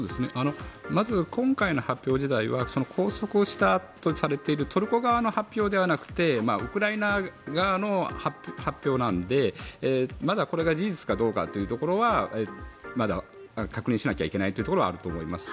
まず今回の発表自体は拘束をしたとされているトルコ側の発表ではなくてウクライナ側の発表なのでまだこれが事実かどうかというところはまだ確認しなければいけないというところはあると思います。